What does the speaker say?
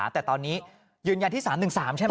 แต่ตอนนี้ยืนยันที่๓๑๓ใช่ไหม